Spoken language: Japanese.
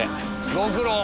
ご苦労。